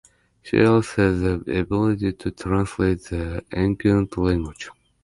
She also has the ability to translate the ancient language.